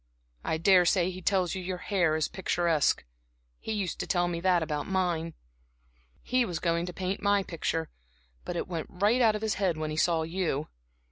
I daresay he tells you your hair's picturesque he used to tell me that about mine. He was going to paint my picture, but it went out of his head when he saw you.